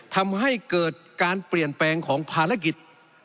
ทำให้เกิดการเปลี่ยนแปลงของภารกิจ